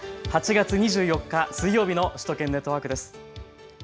８月２４日、水曜日の首都圏ネットワークです。